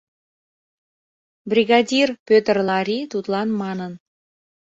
Бригадир Пӧтыр Лари тудлан манын: